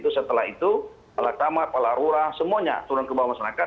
setelah itu pahala kamar pahala rurah semuanya turun ke bawah masyarakat